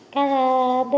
các đơn vị